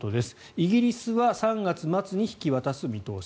イギリスは３月末に引き渡す見通し。